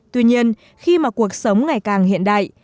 tuy nhiên khi mà cuộc sống ngày càng hiện đại